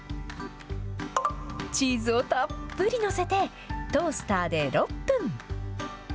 チーズをたっぷり載せて、トースターで６分。